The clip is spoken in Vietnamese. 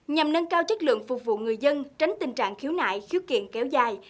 nhằm nâng cao chất lượng phục vụ người dân tránh tình trạng khiếu nại khiếu kiện kéo dài